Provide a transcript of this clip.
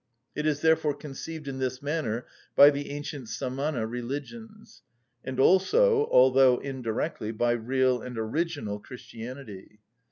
It is therefore conceived in this manner by the ancient Samana religions, and also, although indirectly, by real and original Christianity.